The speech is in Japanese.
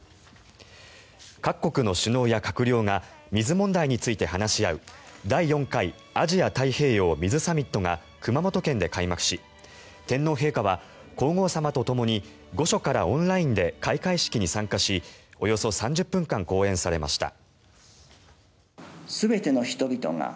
各国の首脳や閣僚が水問題について話し合う第４回アジア・太平洋水サミットが熊本県で開幕し天皇陛下は皇后さまとともに御所からオンラインで開会式に参加しおよそ３０分間講演されました。